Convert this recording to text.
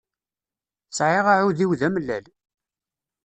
Sεiɣ aεudiw d amellal.